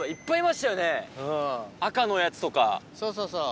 そうそうそう。